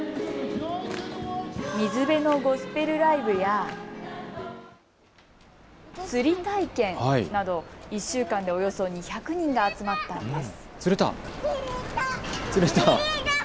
水辺のゴスペルライブや釣り体験など、１週間でおよそ２００人が集まったんです。